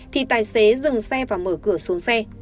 thì tài xế dừng xe và mở cửa xuống xe